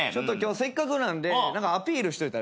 せっかくなんでアピールしといたら？